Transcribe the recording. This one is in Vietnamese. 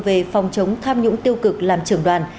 về phòng chống tham nhũng tiêu cực làm trưởng đoàn